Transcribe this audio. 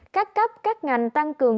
các cấp các ngành tăng cường